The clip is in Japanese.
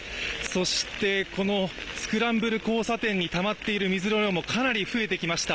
そして、このスクランブル交差点にたまっている水の量もかなり増えてきました。